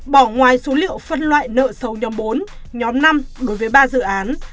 bỏ ngoài số liệu phân loại nợ sâu nhóm bốn nhóm năm đối với ba dự án